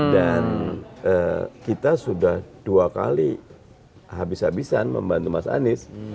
dan kita sudah dua kali habis habisan membantu mas anies